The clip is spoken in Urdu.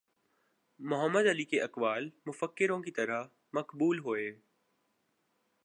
محمد علی کے اقوال مفکروں کی طرح مقبول ہوئے